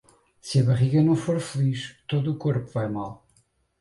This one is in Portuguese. Se a barriga não for feliz, todo o corpo vai mal.